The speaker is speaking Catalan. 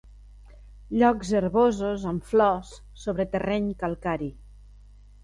Llocs herbosos amb flors, sobre terreny calcari.